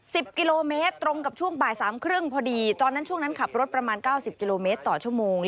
สิบกิโลเมตรตรงกับช่วงบ่ายสามครึ่งพอดีตอนนั้นช่วงนั้นขับรถประมาณเก้าสิบกิโลเมตรต่อชั่วโมง